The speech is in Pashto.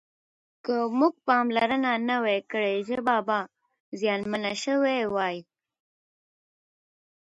که موږ پاملرنه نه وای کړې ژبه به زیانمنه شوې وای.